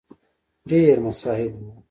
ډېر مساعد وو.